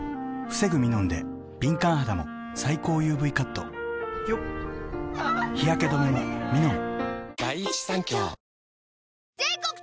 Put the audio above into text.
防ぐミノンで敏感肌も最高ＵＶカット日焼け止めもミノン！